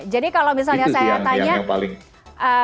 jadi kalau misalnya saya tanya